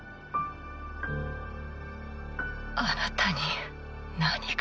あなたに何が。